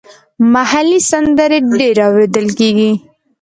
محلي سندرې ډېرې اوریدل کیږي.